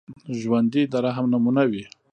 ژوندي د رحم نمونه وي